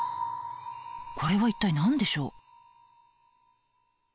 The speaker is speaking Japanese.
これは一体何でしょう？